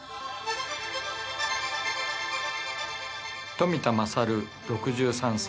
冨田勝６３歳。